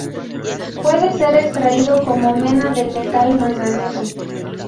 Puede ser extraído como mena del metal manganeso.